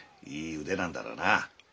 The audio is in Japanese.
いい腕なんだろうな。